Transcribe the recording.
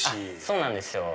そうなんですよ。